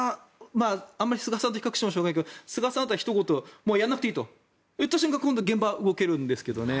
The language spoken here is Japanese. あまり菅さんと比較してもしょうがないけど菅さんだったらひと言、もうやらなくていいと今度、現場は動けるんですけどね。